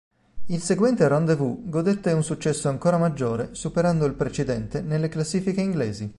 Il seguente "Rendez-Vu" godette un successo ancora maggiore superando il precedente nelle classifiche inglesi.